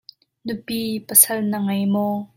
Nupi/Pasal na ngei maw?